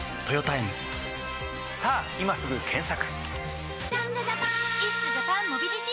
さぁ今すぐ検索！